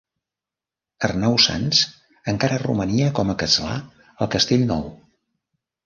Arnau Sanç encara romania com a castlà al castell Nou.